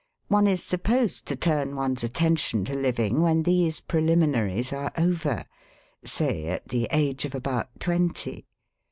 One is supposed to turn one's attention to living when these preliminaries are over say at the age of about twenty.